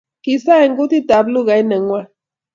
Kisa en kotut ab lukait ne nywan